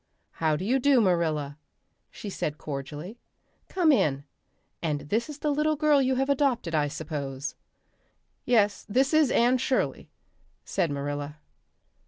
"How do you do, Marilla?" she said cordially. "Come in. And this is the little girl you have adopted, I suppose?" "Yes, this is Anne Shirley," said Marilla.